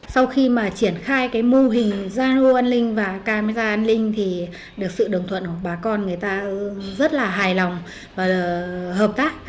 sau khi mà triển khai cái mô hình gia lô an ninh và camera an ninh thì được sự đồng thuận của bà con người ta rất là hài lòng và hợp tác